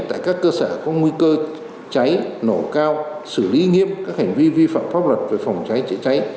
tại các cơ sở có nguy cơ cháy nổ cao xử lý nghiêm các hành vi vi phạm pháp luật về phòng cháy chữa cháy